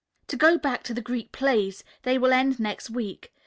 To go back to the Greek plays they will end next week.